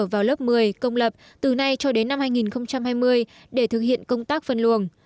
vào lớp một mươi công lập từ nay cho đến năm hai nghìn hai mươi để thực hiện công tác phân luồng